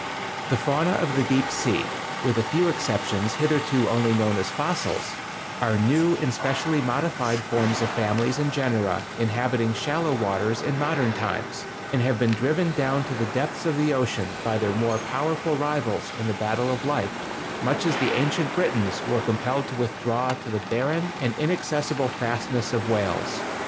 The fauna of the deep sea—with a few exceptions hitherto only known as fossils—are new and specially modified forms of families and genera inhabiting shallow waters in modern times, and have been driven down to the depths of the ocean by their more powerful rivals in the battle of life, much as the ancient Britons were compelled to withdraw to the barren and inaccessible fastnesses of Wales.